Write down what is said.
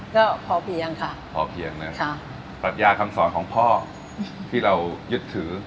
ก็พอเพียงค่ะพอเพียงนะปรัชญาคำสอนของพ่อที่เรายึดถือ